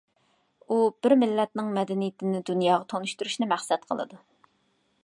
ئۇ بىر مىللەتنىڭ مەدەنىيىتىنى دۇنياغا تونۇشتۇرۇشنى مەقسەت قىلىدۇ.